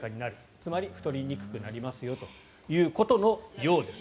つまり太りにくくなりますよということのようです。